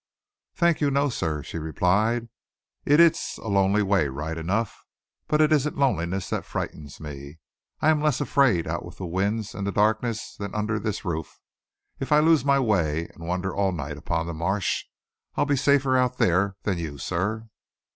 "Thank you, no, sir," she replied. "It's a lonely way, right enough, but it isn't loneliness that frightens me. I am less afraid out with the winds and the darkness than under this roof. If I lose my way and wander all night upon the marsh, I'll be safer out there than you, sir."